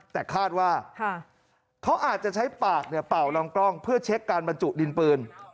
แต่คาดว่าเขาอาจจะใช้ปากเป่าลำกล้องเพื่อเช็คการบรรจุดินปืน